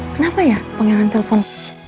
kenapa ya pengenal telepon